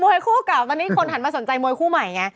คู่เก่าตอนนี้คนหันมาสนใจมวยคู่ใหม่ไง